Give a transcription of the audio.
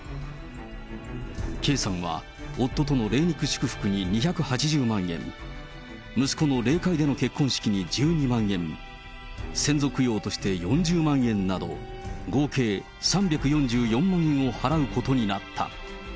Ｋさんは夫との霊肉祝福に２８０万円、息子の霊界での結婚式に１２万円、先祖供養として４０万円など、合計３４４万円を払うことになった。